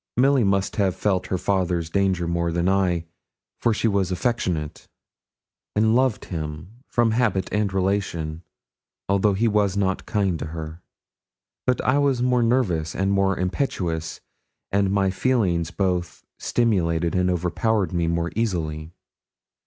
Milly must have felt her father's danger more than I, for she was affectionate, and loved him from habit and relation, although he was not kind to her. But I was more nervous and more impetuous, and my feelings both stimulated and overpowered me more easily.